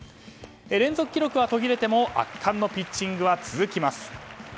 連続記録は途切れても圧巻のピッチングは続きます。